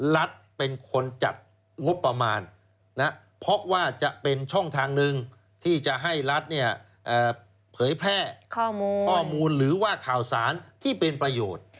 รัฐเป็นคนจัดงบประมาณเพราะว่าจะเป็นช่องทางหนึ่งที่จะให้รัฐเผยแพร่ข้อมูลหรือว่าข่าวสารที่เป็นประโยชน์